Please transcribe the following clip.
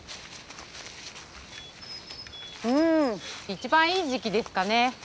うん一番いい時期ですかね。